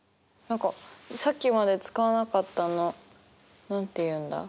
何かさっきまで使わなかったあの何て言うんだ？